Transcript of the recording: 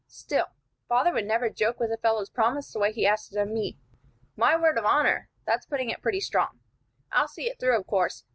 Still, father never would joke with a fellow's promise the way he asked it of me. 'My word of honor' that's putting it pretty strong. I'll see it through, of course.